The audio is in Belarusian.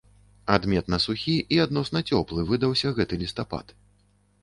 Адметна сухі і адносна цёплы выдаўся гэты лістапад.